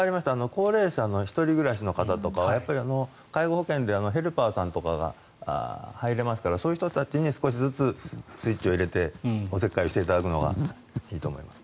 高齢者の１人暮らしの方とかは介護保険でヘルパーさんとかが入れますからそういう人たちに少しずつスイッチを入れておせっかいをしていただくのがいいと思います。